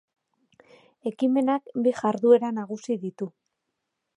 Ekimenak bi jarduera nagusi ditu.